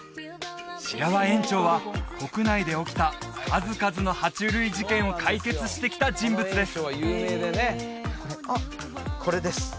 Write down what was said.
白輪園長は国内で起きた数々の爬虫類事件を解決してきた人物です